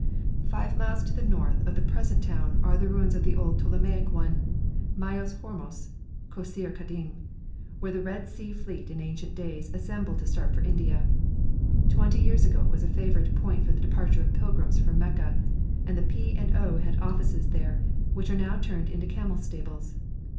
Five miles to the north of the present town are the ruins of the old Ptolemaic one, Myos Hormos (Kosseir Kadim), where the Red Sea fleets in ancient days assembled to start for India; twenty years ago it was a favourite point for the departure of pilgrims for Mecca, and the P. and O. had offices there, which are now turned into camel stables.